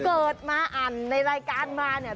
เกิดมาดูในรายการอันนี้